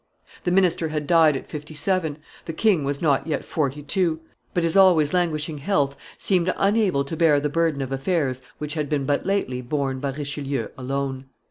The minister had died at fifty seven, the king was not yet forty two; but his always languishing health seemed unable to bear the burden of affairs which had been but lately borne by Richelieu alone.